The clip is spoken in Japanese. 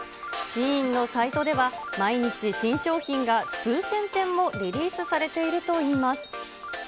シーインのサイトでは、毎日、新商品が数千点もリリースされているといいます。